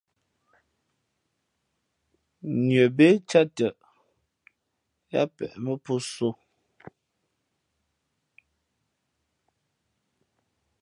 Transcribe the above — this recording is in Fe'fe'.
Nʉα bé cāt tαʼ, yáā peʼ mά pō sō.